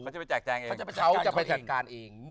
เขาจะไปจัดการเอง